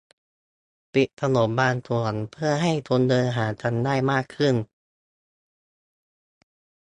- ปิดถนนบางส่วน เพื่อให้คนเดินห่างกันได้มากขึ้น